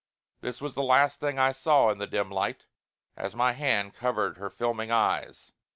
This was the last thing I saw in the dim light, as my hand covered her filming eyes.